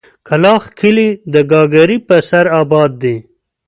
کلاخ کلي د گاگرې په سر اباد دی.